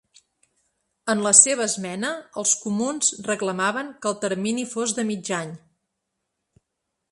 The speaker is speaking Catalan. En la seva esmena, els comuns reclamaven que el termini fos de mig any.